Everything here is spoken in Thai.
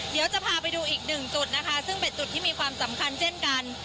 เดี๋ยวจะพาไปดูอีกหนึ่งจุดนะคะซึ่งเป็นจุดที่มีความสำคัญเช่นกัน